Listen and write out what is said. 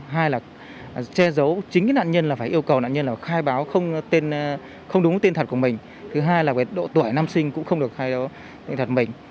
hai là che giấu chính nạn nhân là phải yêu cầu nạn nhân là khai báo không đúng tên thật của mình thứ hai là độ tuổi năm sinh cũng không được khai báo tên thật của mình